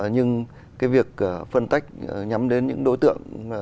nhưng cái việc phân tách nhắm đến những đối tượng